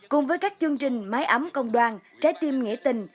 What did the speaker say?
cùng với các chương trình máy ấm công đoàn trái tim nghĩa tình